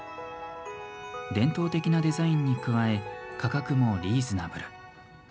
伝統的なデザインに加え価格もリーズナブル。